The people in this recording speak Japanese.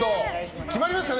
決まりましたね！